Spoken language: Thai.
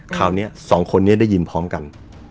คราวนิดนึง๒คนได้ยินพร้อมกัน